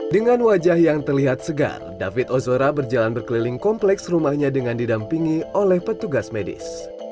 dengan wajah yang terlihat segar david ozora berjalan berkeliling kompleks rumahnya dengan didampingi oleh petugas medis